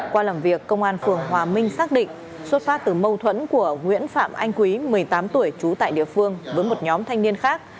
qua làm việc công an phường hòa minh xác định xuất phát từ mâu thuẫn của nguyễn phạm anh quý một mươi tám tuổi trú tại địa phương với một nhóm thanh niên khác